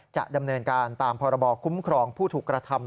จะดำเนินการตามพรบคุ้มครองผู้ถูกกระทำ